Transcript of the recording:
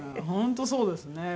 本当そうですね。